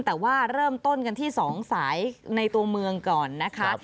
แต่ว่าเริ่มต้นกันที่๒สายในตัวเมืองก่อนนะคะ